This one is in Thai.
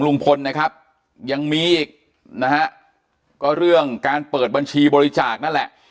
ลุงพลนะครับยังมีอีกนะฮะก็เรื่องการเปิดบัญชีบริจาคนั่นแหละ